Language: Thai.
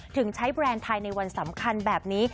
ถึงใช้แบรนด์ไทยในวันสำคัญแบบนี้